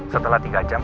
setelah tiga jam